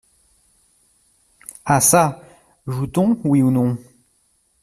Ah çà ! joue-t-on, oui ou non ?